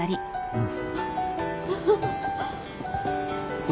うん。